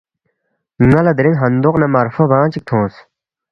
نلا دیرینگ ہندوق نہ مرفو بانگ چک تھونگ